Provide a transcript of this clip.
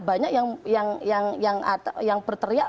banyak yang berteriak